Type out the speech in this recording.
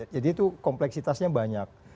jadi itu kompleksitasnya banyak